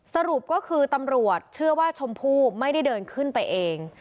สรุปก็คือตำรวจเชื่อว่าชมพู่ไม่ได้เดินขึ้นไปเอง